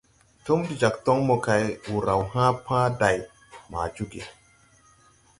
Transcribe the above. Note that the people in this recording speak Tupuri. Túm de jag toŋ mo kay, wur raw hãã pãã day ma jooge.